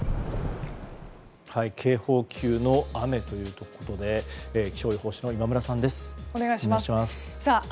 警報級の雨ということで気象予報士の今村さんです。